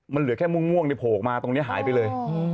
มันเหลือแค่ม่วงในโผล่ออกมาตรงนี้หายไปเลย